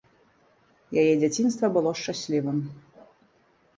Яе дзяцінства было шчаслівым.